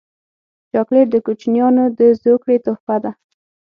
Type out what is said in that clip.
چاکلېټ د کوچنیانو د زوکړې تحفه ده.